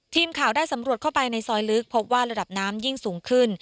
ทีมข่าวได้สำรวจเข้าไปในซอยลึกพบว่าระดับน้ำยิ่งสูงขึ้น